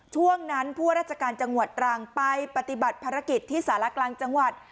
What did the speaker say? ช่วงนั้นผู้ว่าราชการจังหวัดตรังไปปฏิบัติภารกิจที่สารกลางจังหวัด